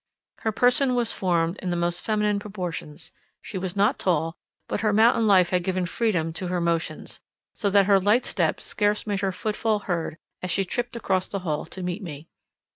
Her person was formed in the most feminine proportions; she was not tall, but her mountain life had given freedom to her motions, so that her light step scarce made her foot fall heard as she tript across the hall to meet me.